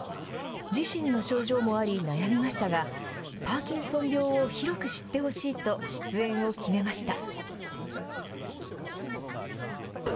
自身の症状もあり悩みましたがパーキンソン病を広く知ってほしいと出演を決めました。